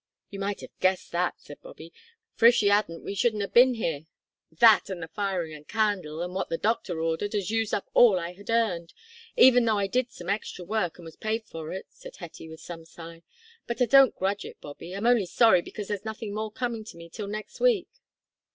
"You might 'ave guessed that," said Bobby, "for, if she 'adn't we shouldn't 'ave bin here." "That and the firing and candle, with what the doctor ordered, has used up all I had earned, even though I did some extra work and was paid for it," said Hetty with a sigh. "But I don't grudge it, Bobby I'm only sorry because there's nothing more coming to me till next week."